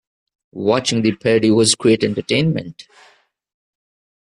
Watching the parody was great entertainment.